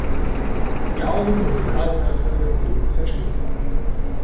Die Augen und Nasenöffnungen sind verschließbar.